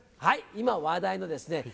今話題のですね